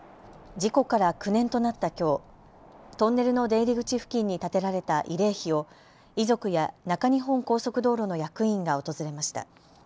事故から９年となったきょう、トンネルの出入り口付近に建てられた慰霊碑を遺族や中日本高速道路の役員が訪れました。